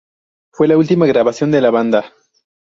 Fue la última grabación de la banda.